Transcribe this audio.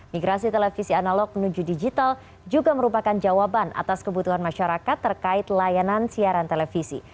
migrasi televisi analog menuju digital juga merupakan jawaban atas kebutuhan masyarakat terkait layanan siaran televisi